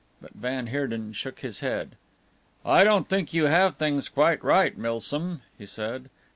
But van Heerden shook his head. "I don't think you have things quite right, Milsom," he said.